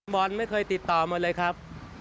บอลไม่เคยติดต่อมาเลยครับ